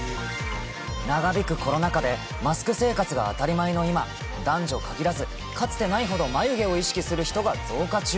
長引くコロナ禍で、マスク生活が当たり前の今、男女限らず、かつてないほど眉毛を意識する人が増加中。